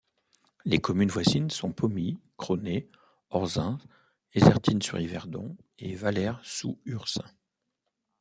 Les communes voisines sont Pomy, Cronay, Orzens, Essertines-sur-Yverdon et Valeyres-sous-Ursins.